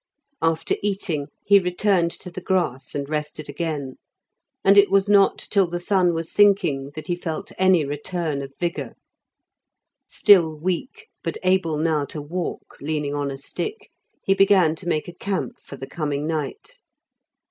After eating, he returned to the grass and rested again; and it was not till the sun was sinking that he felt any return of vigour. Still weak, but able now to walk, leaning on a stick, he began to make a camp for the coming night.